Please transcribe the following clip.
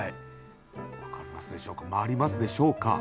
分かりますでしょうか。